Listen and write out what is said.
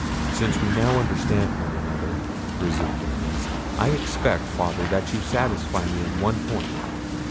"Since we now understand one another," resumed the Prince, "I expect, Father, that you satisfy me in one point.